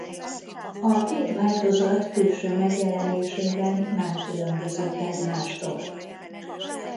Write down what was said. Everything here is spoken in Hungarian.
A két változat külső megjelenésében nem különbözött egymástól.